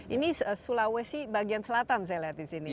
ini sulawesi bagian selatan saya lihat disini ya